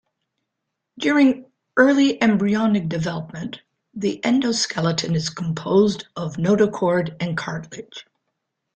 During early embryonic development the endoskeleton is composed of notochord and cartilage.